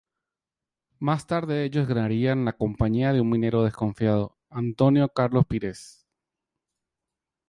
Más tarde, ellos ganarían la compañía de un minero desconfiado, Antônio Carlos Pires.